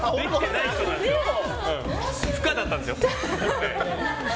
不可だったんですよ。